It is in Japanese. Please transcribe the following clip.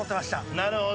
なるほど。